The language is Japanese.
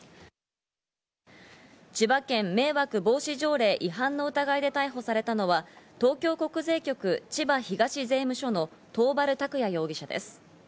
千葉県迷惑防止条例違反の疑いで逮捕されたのは、東京国税局千葉東税務署の桃原卓也容疑者です。